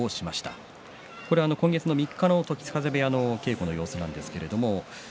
映像は今月３日時津風部屋の稽古の様子です。